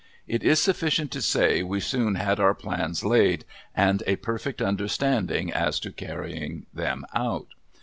It is sufficient to say we soon had our plans laid and a perfect understanding as to carrying them out.